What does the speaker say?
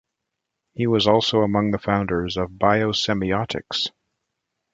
He was also among the founders of biosemiotics.